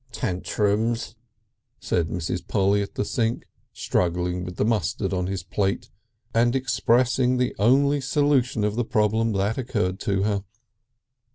"Tantrums!" said Mrs. Polly at the sink, struggling with the mustard on his plate and expressing the only solution of the problem that occurred to her.